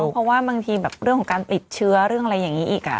เพราะว่าบางทีแบบเรื่องของการติดเชื้อเรื่องอะไรอย่างนี้อีก